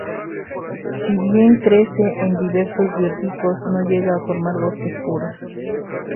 Si bien crece en diversos biotopos, no llega a formar bosques puros.